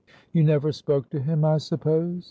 "You never spoke to him, I suppose?"